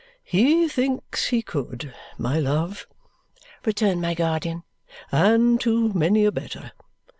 "He thinks he could, my love," returned my guardian, "and to many a better.